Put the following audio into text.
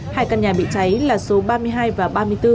hai căn nhà bị cháy là số ba mươi hai và ba mươi bốn